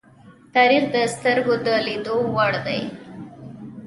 تاریخ د سترگو د لیدو وړ دی.